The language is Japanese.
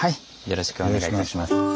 よろしくお願いします。